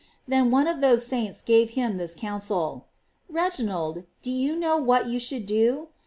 Then one of those saints gave him this counsel: "Re ginald, do you know what you should do